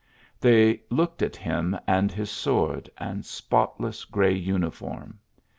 They looked at him and his sword and spotless grey uniform.